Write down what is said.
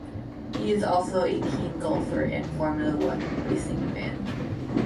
He is also a keen golfer and Formula One racing fan.